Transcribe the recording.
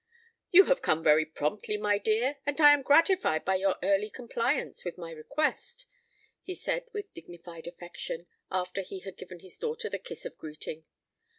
"You have come very promptly, my dear, and I am gratified by your early compliance with my request," he said with dignified affection, after he had given his daughter the kiss of greeting.